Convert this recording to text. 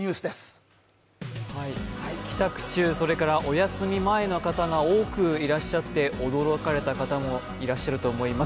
帰宅中、お休み前の方が多くいらっしゃって驚かれた方も多かったと思います。